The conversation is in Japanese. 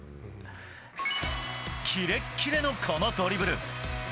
キレッキレのこのドリブル。